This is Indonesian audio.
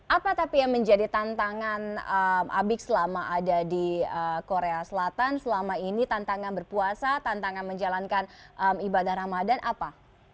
apa tapi yang menjadi tantangan abik selama ada di korea selatan selama ini tantangan berpuasa tantangan menjalankan ibadah ramadan apa